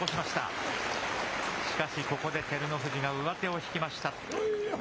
しかし、ここで照ノ富士が上手を引きました。